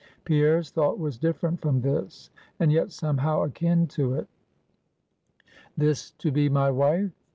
Pierre's thought was different from this, and yet somehow akin to it. This to be my wife?